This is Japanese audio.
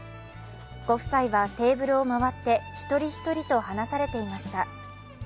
ご夫妻はテーブルを回って一人一人と話されていました。